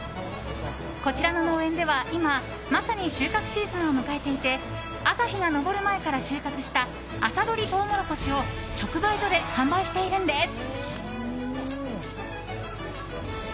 こちらの農園では今まさに収穫シーズンを迎えていて朝日が昇る前から収穫した朝採りトウモロコシを直売所で販売しているんです。